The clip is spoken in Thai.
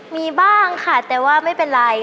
มีบ้างค่ะแต่ว่าไม่เป็นไร